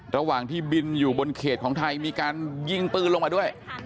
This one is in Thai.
ระหว่างที่บินอยู่บนเขตของไทยมีการยิงปืนลงมาด้วย